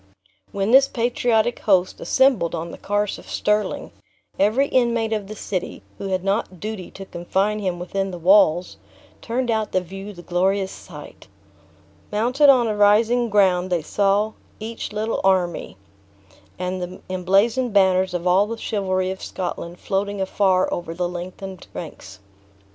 When this patriotic host assembled on the Carse of Stirling, every inmate of the city, who had not duty to confine him within the walls, turned out to view the glorious sight. Mounted within the walls, turned out to view the glorious sight. Mounted on a rising ground, they saw each little army, and the emblazoned banners of all the chivalry of Scotland floating afar over the lengthened ranks.